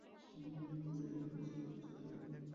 এই কমিটি মুসলিম সমাজকে সহায়তা করার জন্য প্রতিষ্ঠিত হয়েছে।